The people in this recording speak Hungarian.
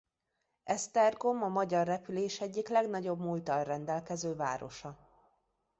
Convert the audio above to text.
Esztergom a magyar repülés egyik legnagyobb múlttal rendelkező városa.